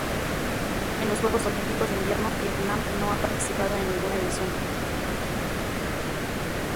En los Juegos Olímpicos de Invierno Vietnam no ha participado en ninguna edición.